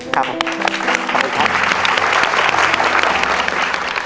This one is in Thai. ขอบคุณค่ะ